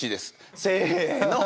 せの！